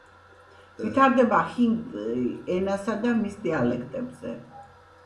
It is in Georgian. ვითარდება ჰინდი ენასა და მის დიალექტებზე.